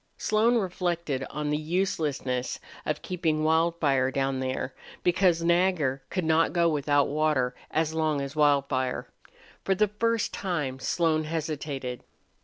Slone reflected on the uselessness of keeping Wildfire down there, because Nagger could not go without water as long as Wildfire. For the first time Slone hesitated.